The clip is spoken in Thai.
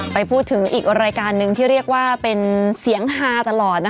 ไปพูดถึงอีกรายการหนึ่งที่เรียกว่าเป็นเสียงฮาตลอด